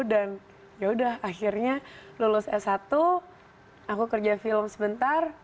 dan yaudah akhirnya lulus s satu aku kerja film sebentar